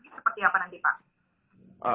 seperti apa nanti pak